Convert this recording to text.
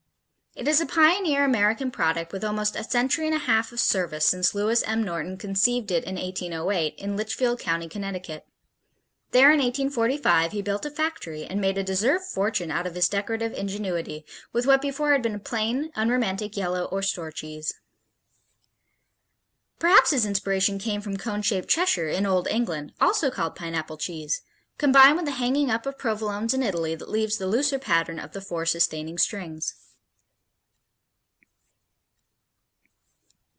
It is a pioneer American product with almost a century and a half of service since Lewis M. Norton conceived it in 1808 in Litchfield County, Connecticut. There in 1845 he built a factory and made a deserved fortune out of his decorative ingenuity with what before had been plain, unromantic yellow or store cheese. Perhaps his inspiration came from cone shaped Cheshire in old England, also called Pineapple cheese, combined with the hanging up of Provolones in Italy that leaves the looser pattern of the four sustaining strings.